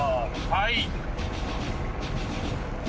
はい。